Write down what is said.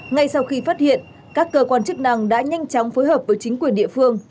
ngay sau khi phát hiện các cơ quan chức năng đã nhanh chóng phối hợp với chính quyền địa phương